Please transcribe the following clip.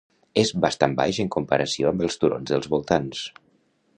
És bastant baix en comparació amb els turons dels voltants.